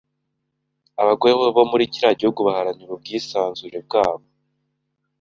Abagore bo muri kiriya gihugu baharanira ubwisanzure bwabo.